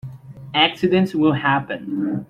Accidents will happen.